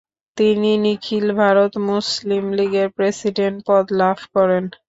তিনি নিখিল ভারত মুসলিম লীগের প্রেসিডেন্ট পদ লাভ করেন।